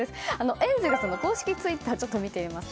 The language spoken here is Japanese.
エンゼルスの公式ツイッターを見てみます。